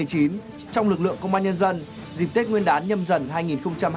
trong lực lượng công an nhân dân dịp tết nguyên đán nhâm dần hai nghìn hai mươi bốn